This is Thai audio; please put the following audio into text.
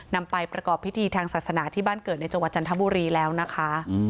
นำไปประกอบพิธีทางศาสนาที่บ้านเกิดในจังหวัดจันทบุรีแล้วนะคะ